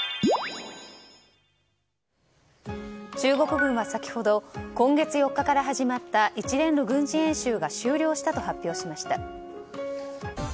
中国軍は先ほど今月４日から始まった一連の軍事演習が終了したと発表しました。